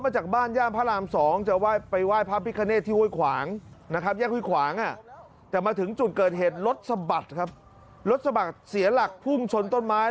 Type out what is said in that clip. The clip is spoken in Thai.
จะมาถึงจุดเกิดเหตุรถสะบัดครับรถสะบัดเสียหลักพุ่งชนต้นไม้